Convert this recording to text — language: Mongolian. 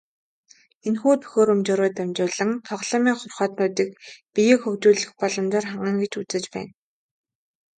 Энэхүү төхөөрөмжөөрөө дамжуулан тоглоомын хорхойтнуудыг биеэ хөгжүүлэх боломжоор хангана гэж үзэж байна.